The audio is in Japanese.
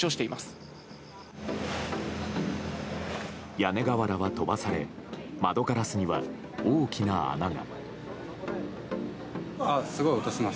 屋根瓦は飛ばされ窓ガラスには大きな穴が。